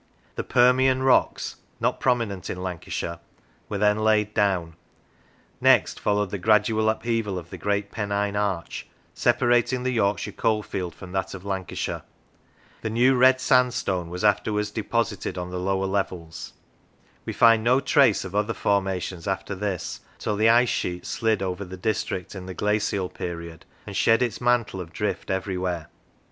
The Permian rocks (not prominent in Lancashire) were then laid down; next followed the gradual upheaval of the great Pennine arch, separating the Yorkshire coalfield from that of Lancashire; the New Red Sandstone was afterwards deposited on the lower levels; we find no trace of other formations after this till the ice sheet slid over the district in the glacial period and shed its mantle of drift everywhere.